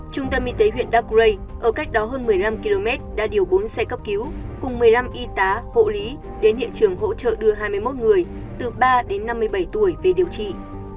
trung tâm y tế huyện đắk rây ở cách đó hơn một mươi năm km đã điều bốn xe cấp cứu cùng một mươi năm y tá hộ lý đến hiện trường hỗ trợ đưa hai mươi một người từ ba đến năm mươi bảy tuổi về điều trị